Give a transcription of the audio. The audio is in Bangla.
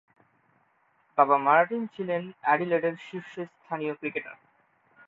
বাবা মার্টিন ছিলেন অ্যাডিলেডের শীর্ষস্থানীয় ক্রিকেটার।